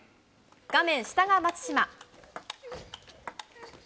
画面下が松島。